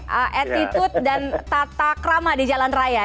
dan ada juga etitud dan tata krama di jalan raya